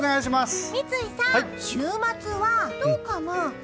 三井さん、週末はどうかな？